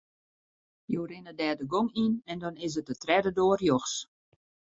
Jo rinne dêr de gong yn en dan is it de tredde doar rjochts.